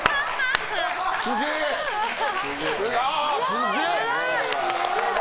すげえ！